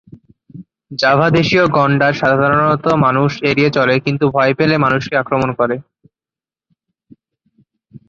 জাভাদেশীয় গণ্ডার সাধারণত মানুষ এড়িয়ে চলে, কিন্তু ভয় পেলে মানুষকে আক্রমণ করে।